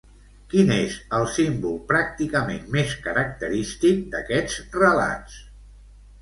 Quin és el símbol pràcticament més característic d'aquests relats?